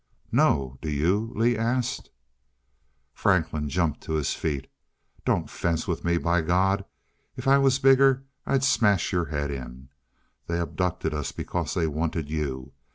"No. Do you?" Lee asked. Franklin jumped to his feet. "Don't fence with me. By God, if I was bigger I'd smash your head in. They abducted us, because they wanted you.